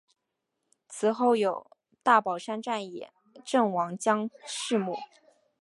祠后有大宝山战役阵亡将士墓。